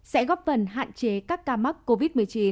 sẽ góp phần hạn chế các ca mắc covid một mươi chín